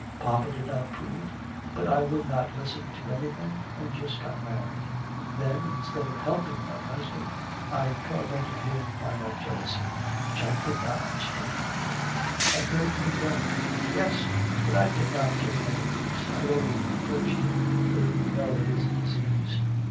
Papa did not approve. But I would not listen to anything and just got married. Then instead of helping my husband I tormented him by my jealousy, which I could not restrain.' 'I heard that he drank...' 'Yes, but I did not give him any peace. I always reproached him, though you know it is a disease!